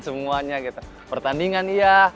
semuanya gitu pertandingan iya